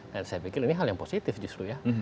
dan saya pikir ini hal yang positif justru ya